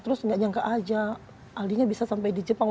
terus enggak nyangka aja aldi nya bisa sampai di jepang